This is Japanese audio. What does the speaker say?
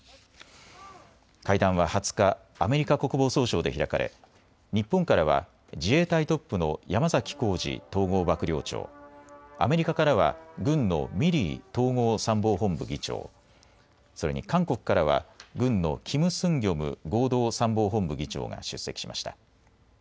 会談は２０日、アメリカ国防総省で開かれ日本からは自衛隊トップの山崎幸二統合幕僚長、アメリカからは軍のミリー統合参謀本部議長、それに韓国からは軍のキム・スンギョム合同参謀本部議長が出席しました。